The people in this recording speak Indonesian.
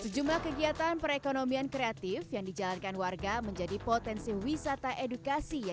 sejumlah kegiatan perekonomian kreatif yang dijalankan warga menjadi potensi wisata edukasi yang